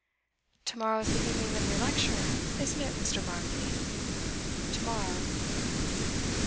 'To morrow is the evening of your lecture, isn't it, Mr. Barmby?' 'To morrow.